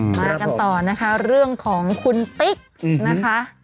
มากันต่อนะคะเรื่องของคุณติ๊กนะคะ